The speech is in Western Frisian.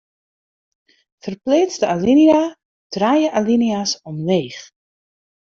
Ferpleats de alinea trije alinea's omleech.